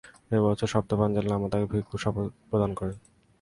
এই বছর সপ্তম পাঞ্চেন লামা তাকে ভিক্ষুর শপথ প্রদান করেন।